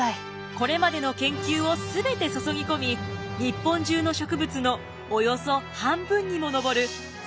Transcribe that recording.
これまでの研究を全て注ぎ込み日本中の植物のおよそ半分にも上る３，２０６種類を掲載。